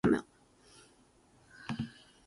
風が吹き雨が降って、寒く冷たいさま。